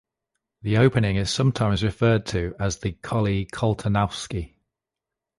The opening is sometimes referred to as the Colle-Koltanowski.